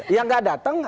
yang gak datang